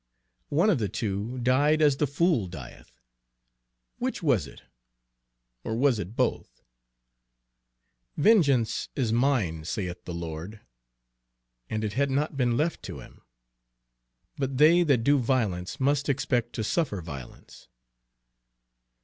One of the two died as the fool dieth. Which was it, or was it both? "Vengeance is mine," saith the Lord, and it had not been left to Him. But they that do violence must expect to suffer violence.